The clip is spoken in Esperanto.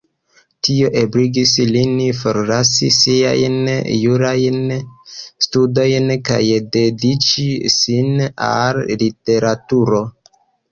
Tio ebligis lin forlasi siajn jurajn studojn kaj dediĉi sin al literaturo.